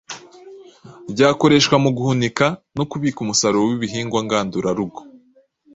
ryakoreshwa mu guhunika no kubika umusaruro w’ibihingwa ngandurarugo,